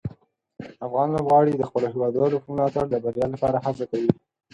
افغان لوبغاړي د خپلو هیوادوالو په ملاتړ د بریا لپاره هڅه کوي.